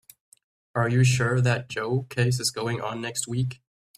Are you sure that Joe case is going on next week?